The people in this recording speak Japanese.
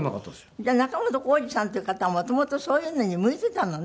じゃあ仲本工事さんっていう方は元々そういうのに向いていたのね。